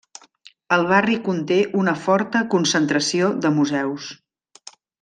El barri conté una forta concentració de museus.